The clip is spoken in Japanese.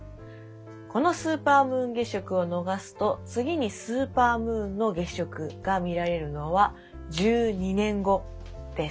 このスーパームーン月食を逃すと次にスーパームーンの月食が見られるのは１２年後です。